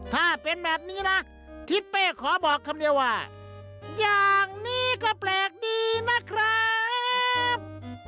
ถ้าเป็นแบบนี้นะทิศเป้ขอบอกคำเดียวว่าอย่างนี้ก็แปลกดีนะครับ